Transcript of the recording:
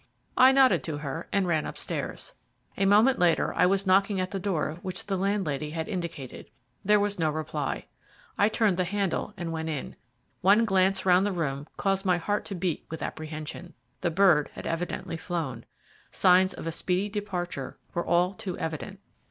I nodded to her, and ran upstairs. A moment later I was knocking at the door which the landlady had indicated. There was no reply I turned the handle and went in. One glance round the room caused my heart to beat with apprehension. The bird had evidently flown. Signs of a speedy departure were all too evident.